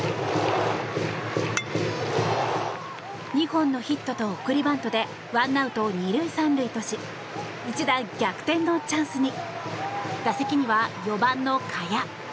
２本のヒットと送りバントでワンアウト２塁３塁とし一打逆転のチャンスに打席には４番の賀谷。